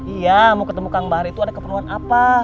iya mau ketemu kang bahar itu ada keperluan apa